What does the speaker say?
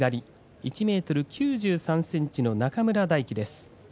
１ｍ９３ｃｍ中村泰輝です。